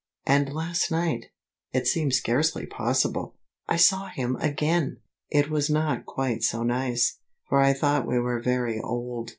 And last night it seems scarcely possible I saw him again! It was not quite so nice, for I thought we were very old.